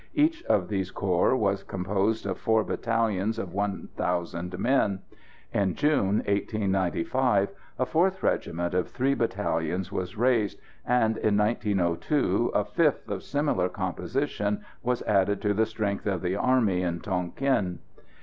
Each of these corps was composed of four battalions of one thousand men. In June, 1895, a fourth regiment of three battalions was raised, and in 1902 a fifth of similar composition was added to the strength of the army in Tonquin.